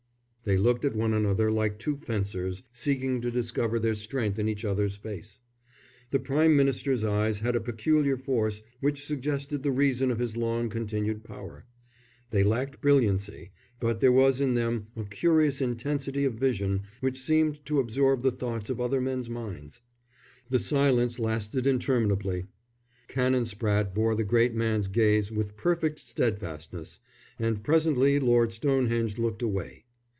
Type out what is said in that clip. They looked at one another like two fencers, seeking to discover their strength in each other's face. The Prime Minister's eyes had a peculiar force which suggested the reason of his long continued power; they lacked brilliancy, but there was in them a curious intensity of vision which seemed to absorb the thoughts of other men's minds. The silence lasted interminably. Canon Spratte bore the great man's gaze with perfect steadfastness, and presently Lord Stonehenge looked away.